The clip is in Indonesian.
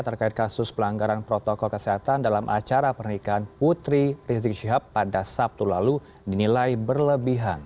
terkait kasus pelanggaran protokol kesehatan dalam acara pernikahan putri rizik syihab pada sabtu lalu dinilai berlebihan